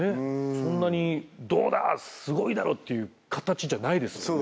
そんなにどうだすごいだろっていう形じゃないですもんね